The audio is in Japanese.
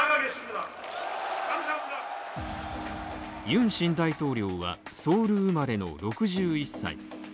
ユン新大統領はソウル生まれの６１歳。